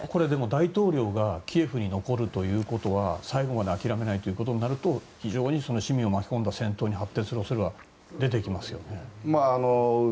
でも大統領がキエフにいるということは最後まで諦めないということになると市民を巻き込んだ戦闘に発展する恐れが出てきますよね。